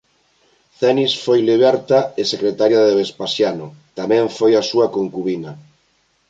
Cenis foi liberta e secretaria de Vespasiano; tamén foi a súa concubina.